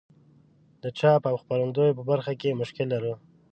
د چاپ او خپرندوی په برخه کې مشکل لرو.